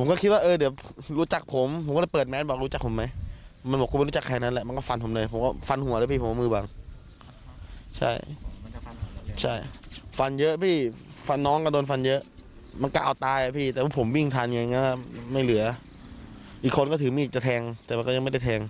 ก็ถือมีดจะแทงแต่มันก็ยังไม่ได้แทง